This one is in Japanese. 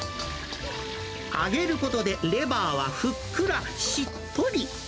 揚げることで、レバーはふっくら、しっとり。